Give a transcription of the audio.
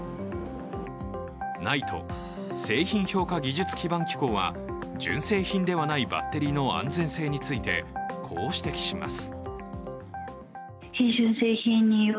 ＮＩＴＥ＝製品評価技術基盤機構は純正品ではないバッテリーの安全性についてこう指摘します。